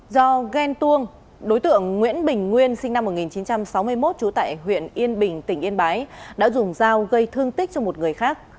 do ghen tuông đối tượng nguyễn bình nguyên sinh năm một nghìn chín trăm sáu mươi một trú tại huyện yên bình tỉnh yên bái đã dùng dao gây thương tích cho một người khác